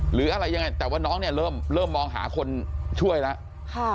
หรืออะไรยังไงแต่ว่าน้องเนี่ยเริ่มมองหาคนช่วยแล้ว